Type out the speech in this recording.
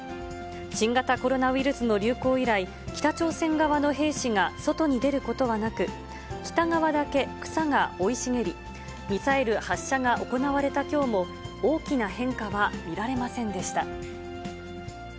新型コロナウイルスの流行以来、北朝鮮側の兵士が外に出ることはなく、北側だけ草が生い茂り、ミサイル発射が行われたきょうも、大きな変化は見られませんでした。